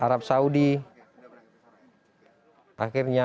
terus bagi saya negara sudah cerita tentang